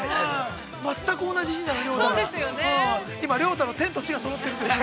全く同じ字なの。